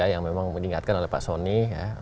yang memang diingatkan oleh pak soni